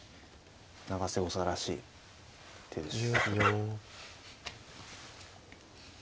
永瀬王座らしい手です。